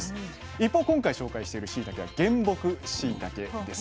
一方今回紹介しているしいたけは原木しいたけです。